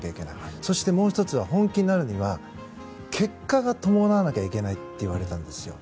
そしてもう１つは本気になるには結果が伴わなきゃいけないって言われたんですよ。